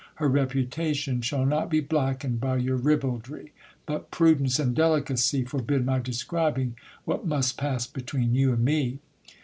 Her reputation shall not be blackened by your ribaldry. But prudence and delicacy forbid my describing what must pass between you and me.